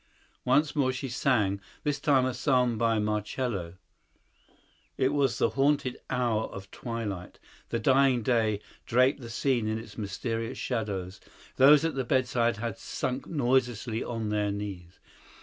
Once more she sang—this time a psalm by Marcello. It was the haunted hour of twilight. The dying day draped the scene in its mysterious shadows. Those at the bedside had sunk noiselessly on their knees.